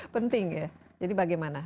penting ya jadi bagaimana